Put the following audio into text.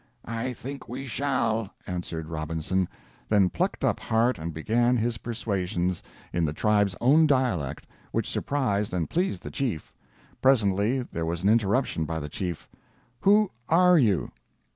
"I think we shall," answered Robinson; then plucked up heart and began his persuasions in the tribe's own dialect, which surprised and pleased the chief. Presently there was an interruption by the chief: "Who are you?"